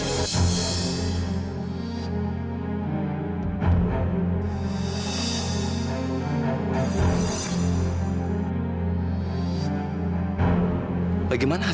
ya melainkan tuhan